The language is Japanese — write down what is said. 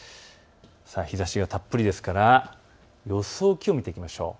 日ざしがたっぷりですから予想気温を見ていきましょう。